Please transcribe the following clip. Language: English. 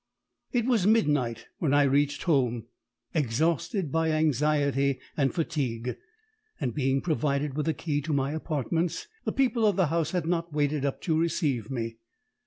"It was midnight when I reached home, exhausted by anxiety and fatigue, and, being provided with a key to my apartments, the people of the house had not waited up to receive me.